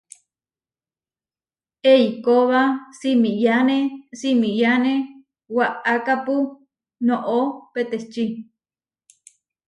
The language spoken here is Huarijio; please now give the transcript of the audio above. Eikóba simiyáne simiyáne waʼakápu noʼó peteči.